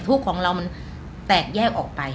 ทุกข์ของเรามันแตกแยกออกไป